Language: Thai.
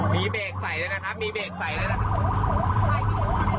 มีเบรกไฟด้วยนะครับมีเบรกไฟด้วยนะครับ